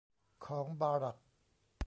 ของบารัค